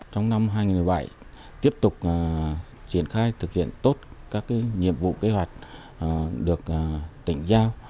trong năm hai nghìn một mươi bảy tiếp tục triển khai thực hiện tốt các nhiệm vụ kế hoạch được tỉnh giao